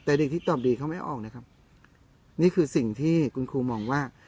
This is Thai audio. แต่เด็กที่ตอบดีเขาไม่ออกนะครับนี่คือสิ่งที่คุณครูมองว่า